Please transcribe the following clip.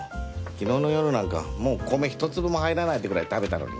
昨日の夜なんかもう米１粒も入らないってくらい食べたのに。